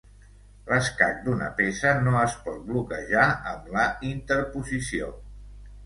L'escac d'una peça no es pot bloquejar amb la interposició.